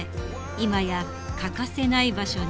今や欠かせない場所に。